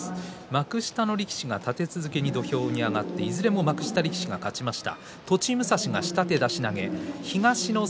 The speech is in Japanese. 幕下の力士が立て続けに土俵に上がって幕下力士が勝ちました。